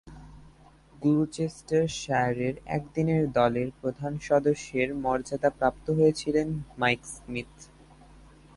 গ্লুচেস্টারশায়ারের একদিনের দলের প্রধান সদস্যের মর্যাদাপ্রাপ্ত হয়েছিলেন মাইক স্মিথ।